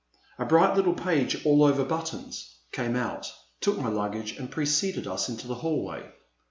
A bright little page, all over buttons, came out, took my luggage, and preceded us into the hallway.